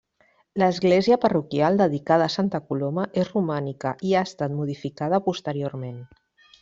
L'església parroquial, dedicada a Santa Coloma, és romànica i ha estat modificada posteriorment.